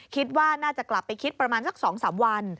คิดว่าน่าจะกลับไปคิดประมาณสัก๒๓วัน